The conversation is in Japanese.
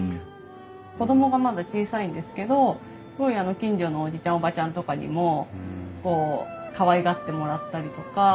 子供がまだ小さいんですけどすごい近所のおじちゃんおばちゃんとかにもこうかわいがってもらったりとか。